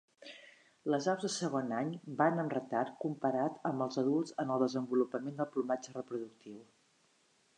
Les aus de segon any van amb retard comparat amb els adults en el desenvolupament del plomatge reproductiu.